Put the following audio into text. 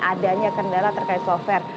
adanya kendala terkait software